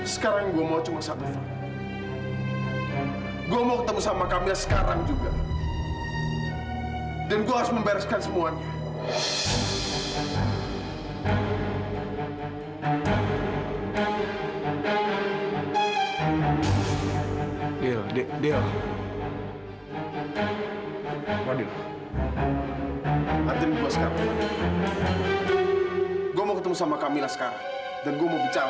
sampai jumpa di video selanjutnya